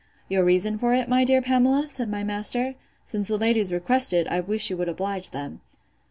Your reason for it, my dear Pamela? said my master: since the ladies request it, I wish you would oblige them.